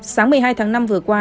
sáng một mươi hai tháng năm vừa qua